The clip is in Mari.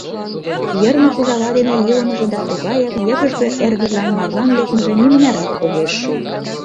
Йырнык ужава дене илымыже да тугаяк йыгыжге эргыжлан марлан лекмыже нимынярат огеш шу.